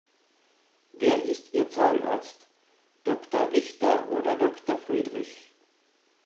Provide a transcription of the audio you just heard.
Wer ist ihr Zahnarzt? Doktor Richter oder Doktor Friedrich?